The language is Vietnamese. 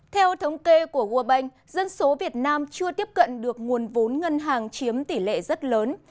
theo thống kê của world bank dân số việt nam chưa tiếp cận được nguồn vốn ngân hàng chiếm tỷ lệ rất lớn